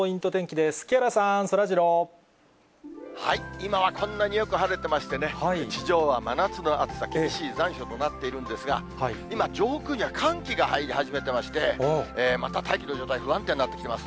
今はこんなによく晴れてましてね、地上は真夏の暑さ、厳しい残暑となっているんですが、今、上空には寒気が入り始めてまして、また大気の状態、不安定になってきてます。